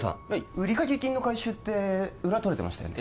売掛金の回収って裏とれてましたよね？